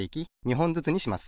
ほんずつにします。